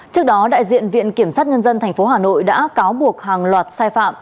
trước đó đại diện viện kiểm sát nhân dân tp hà nội đã cáo buộc hàng loạt sai phạm